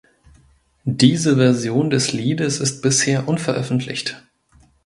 Diese Version des Liedes ist bisher unveröffentlicht.